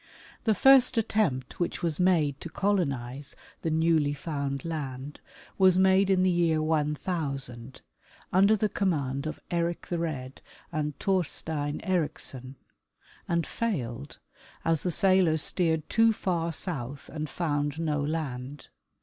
The first attempt which was made to colonize the newly found land was made in the year 1,000, under the command of Eric the Red and Thorstein Ericsson, and failed, as the sailors steered too far south and found no land.